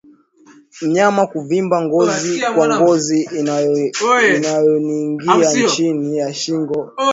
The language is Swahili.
Mnyama kuvimba kwa ngozi inayoninginia chini ya shingo